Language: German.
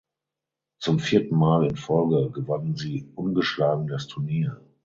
Zum vierten Mal in Folge gewannen sie ungeschlagen das Turnier.